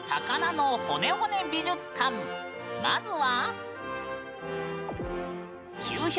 まずは。